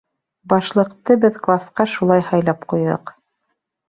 Башлыҡты беҙ класҡа шулай һайлап ҡуйҙыҡ.